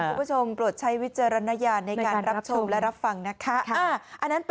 โปรดใช้วิจารณญาณในการรับชมและรับฟังนะคะ